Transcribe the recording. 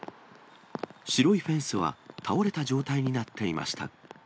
白いフェンスは、倒れた状態になっていました。